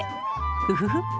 ウフフッ。